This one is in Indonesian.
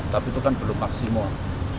tapi itu kan belum maksimum